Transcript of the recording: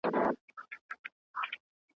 په سفر کې ملګري سره مرسته وکړئ.